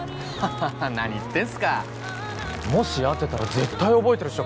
ハハハ何言ってんすかもし会ってたら絶対覚えてるっしょ